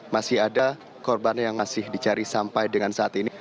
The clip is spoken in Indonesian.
masih ada korban yang masih dicari sampai dengan saat ini